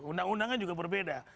undang undangan juga berbeda